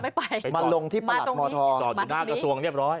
ไม่ไปมาตรงนี้มาตรงนี้มาตรงนี้ตอบอยู่หน้ากระทวงเรียบร้อย